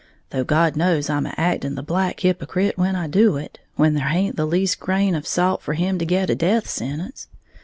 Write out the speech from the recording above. Though God knows I'm a acting the black hypocrite when I do it, when there haint the least grain of a show for him to get a death sentence.